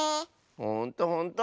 ほんとほんと！